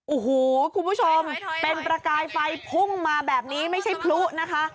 โอ้โหคุณผู้ชมเป็นประกายไฟพุ่งมาแบบนี้ไม่ใช่พลุนะคะ